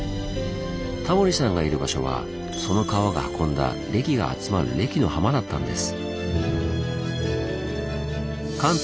タモリさんがいる場所はその川が運んだ礫が集まる礫の浜だったんです。